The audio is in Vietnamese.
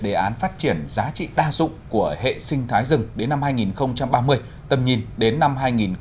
đề án phát triển giá trị đa dụng của hệ sinh thái rừng đến năm hai nghìn ba mươi tầm nhìn đến năm hai nghìn bốn mươi